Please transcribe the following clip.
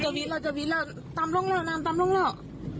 จะวิ่ดแล้วจะวิ่ดแล้วตำลงแล้วน้ำตำลงแล้ว